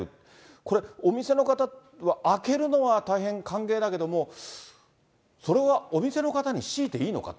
これ、お店の方は開けるのは大変歓迎だけども、それはお店の方に強いていいのかと。